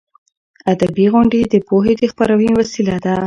ادبي غونډې د پوهې د خپراوي وسیله ده.